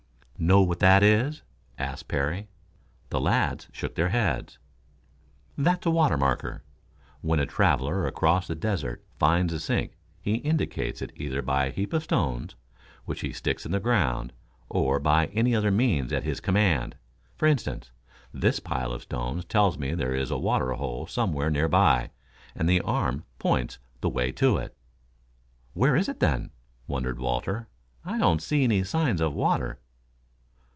"Know what that is?" asked Parry. The lads shook their heads. "That's a water marker. When a traveler across the desert finds a sink he indicates it either by a heap of stones, which he sticks in the ground, or by any other means at his command. For instance, this pile of stones tells me there is a water hole somewhere near by, and the arm points the way to it." "Where is it, then?" wondered Walter. "I don't see any signs of water."